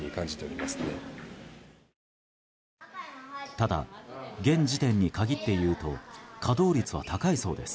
ただ、現時点に限って言うと稼働率は高いそうです。